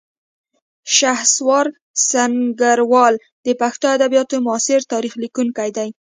شهسوار سنګروال د پښتو ادبیاتو معاصر تاریخ لیکلی دی